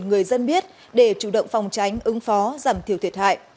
người dân biết để chủ động phòng tránh ứng phó giảm thiểu thiệt hại